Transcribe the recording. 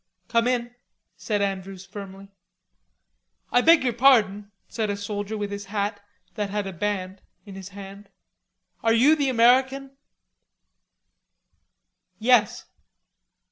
"Come in," said Andrews firmly. "I beg yer pardon," said a soldier with his hat, that had a band, in his hand. "Are you the American?" "Yes."